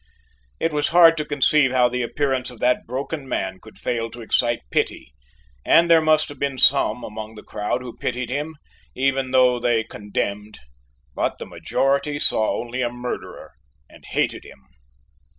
It was hard to conceive how the appearance of that broken man could fail to excite pity and there must have been some among the crowd who pitied him, even though they condemned: but the majority saw only a murderer and hated him.